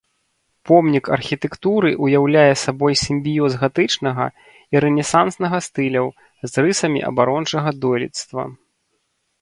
Помнік архітэктуры ўяўляе сабой сімбіёз гатычнага і рэнесанснага стыляў з рысамі абарончага дойлідства.